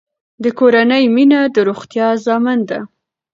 د کورنۍ مینه د روغتیا ضامن ده.